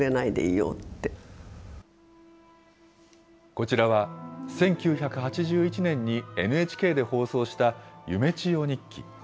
こちらは、１９８１年にＮＨＫで放送した夢千代日記。